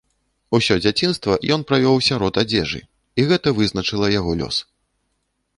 Усё дзяцінства ён правёў сярод адзежы, і гэта вызначыла яго лёс.